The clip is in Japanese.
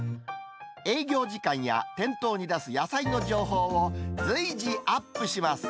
営業時間や店頭に出す野菜の情報を随時アップします。